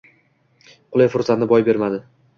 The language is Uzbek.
Qulay fursatni boy bermadi